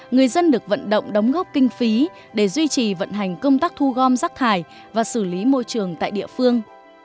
người dân được vận động đóng góp kinh phí để duy trì vận hành công tác thu gom rác thải và xử lý môi trường tại địa phương